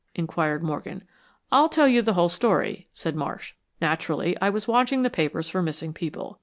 inquired Morgan. "I'll tell you the whole story," said Marsh. "Naturally, I was watching the papers for missing people.